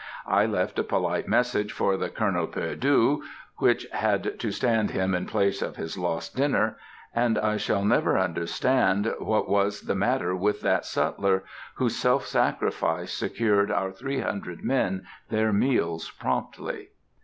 I left a polite message for the "Colonel perdu,"—which had to stand him in place of his lost dinner,—and I shall never understand what was the matter with that sutler, whose self sacrifice secured our three hundred men their meals promptly.